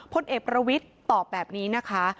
พลเอกประวิทย์ตอบแบบนี้นะคะ